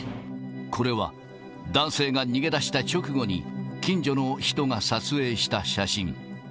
これは、男性が逃げ出した直後に近所の人が撮影した写真。